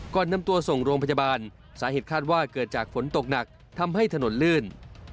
ก่อนนำตัวส่งโรงพยาบาลสาเหตุคาดว่าเกิดจากฝนตกหนักทำให้ถนนลื่น